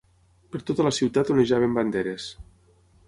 Per tota la ciutat onejaven banderes